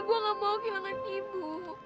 gue gak mau kehilangan ibu